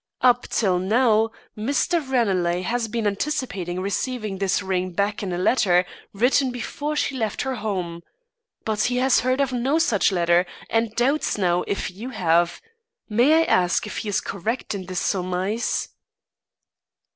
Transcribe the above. Up till now, Mr. Ranelagh has been anticipating receiving this ring back in a letter, written before she left her home. But he has heard of no such letter, and doubts now if you have. May I ask if he is correct in this surmise?"